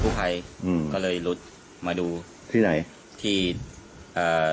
ผู้ภัยอืมก็เลยรุดมาดูที่ไหนที่เอ่อ